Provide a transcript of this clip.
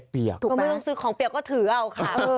ไม่ต้องซื้อของเปียกก็ถือเอาค่ะ